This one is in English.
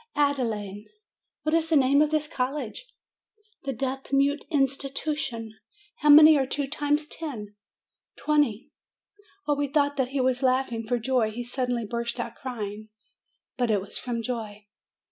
"Ad e laide." "What is the name of this college?" "The Deaf mute Insti tution." "How many are two times ten?" "Twen ty." While we thought that he was laughing for joy, he suddenly burst out crying. But it was from joy.